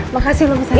makasih bu sejahtera